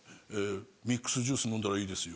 ミックスジュース飲んだらいいですよ。